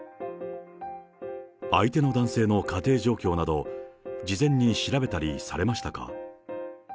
相手の男性の家庭状況など、事前に調べたりされましたか？